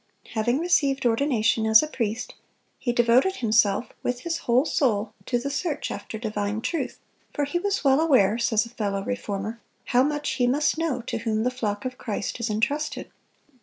Having received ordination as a priest, he "devoted himself with his whole soul to the search after divine truth; for he was well aware," says a fellow reformer, "how much he must know to whom the flock of Christ is entrusted."